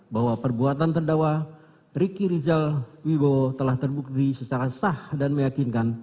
bahwa perbuatan terdakwa riki rizal wibowo telah terbukti secara sah dan meyakinkan